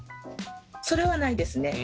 それはないですね。